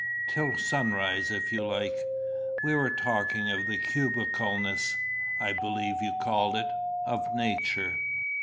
"Till sunrise if you like. We were talking of the cubicalness I believe you called it of nature."